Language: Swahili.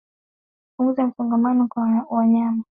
Kupunguza msongamano kwa wanyama husaidia kupunguza maambukizi